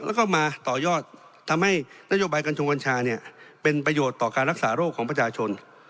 แล้วก็มาต่อยอดทำให้นโยบายกัญชงกัญชาเนี่ยเป็นประโยชน์ต่อการรักษาโรคของประชาชน